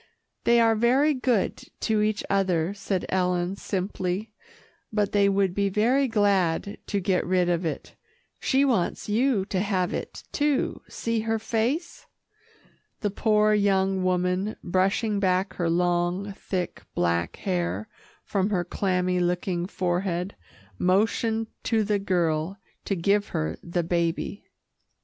"They are very good to each other," said Ellen simply, "but they would be very glad to get rid of it. She wants you to have it, too. See her face." The poor young woman, brushing back her long, thick, black hair from her clammy looking forehead, motioned to the girl to give her the baby.